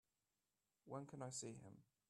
When can I see him?